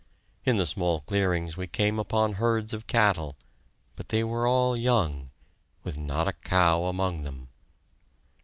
In the small clearings we came upon herds of cattle, but they were all young, with not a cow among them.